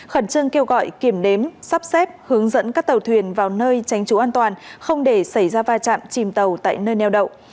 khẩn trương kêu gọi kiểm đếm sắp xếp hướng dẫn các tàu thuyền vào nơi tránh trú an toàn không để xảy ra va chạm chìm tàu tại nơi neo đậu